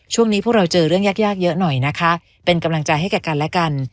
พวกเราเจอเรื่องยากยากเยอะหน่อยนะคะเป็นกำลังใจให้แก่กันและกัน